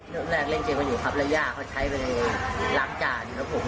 ตอนแรกเล่นเกมอยู่ครับแล้วย่าเขาใช้ไปล้างจาน